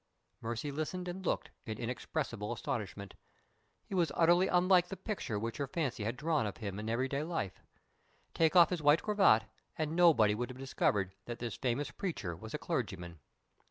_" Mercy listened and looked, in inexpressible astonishment. He was utterly unlike the picture which her fancy had drawn of him in everyday life. Take off his white cravat, and nobody would have discovered that this famous preacher was a clergyman!